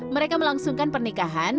mereka melangsungkan pernikahan